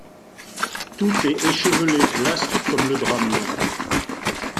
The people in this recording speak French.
Tout est échevelé, l’astre comme le drame.